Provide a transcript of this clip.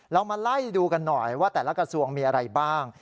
เรามาไล่ดูกันหน่อยว่าแต่ละกระทรวงมีอะไรบ้าง